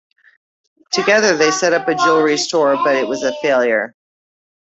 Together they set up a jewelry store, but it was a failure.